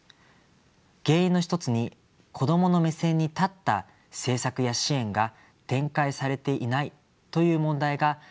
原因の一つに子どもの目線に立った政策や支援が展開されていないという問題があるのではないでしょうか。